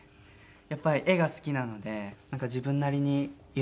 やっぱり絵が好きなので自分なりにいろんな。